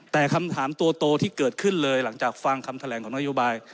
แต่คำถามตัวโตที่เกิดขึ้นเลยหลังจากฟังคำแถลงของนโยบาย